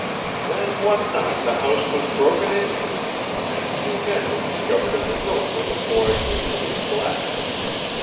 Then one night the house was broken into, and two men were discovered in the room where the boy usually slept.